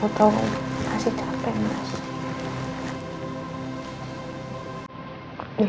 ya karena kamu nih kalau bebannya sendirian